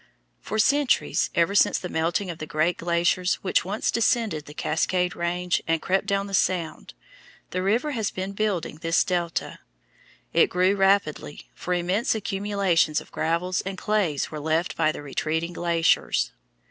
For centuries, ever since the melting of the great glaciers which once descended the Cascade Range and crept down the sound, the river has been building this delta. It grew rapidly, for immense accumulations of gravels and clays were left by the retreating glaciers.